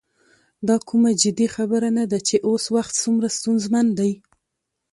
دا کومه جدي خبره نه ده چې اوس وخت څومره ستونزمن دی.